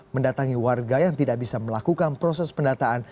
mendatangi warga yang tidak bisa melakukan proses pendataan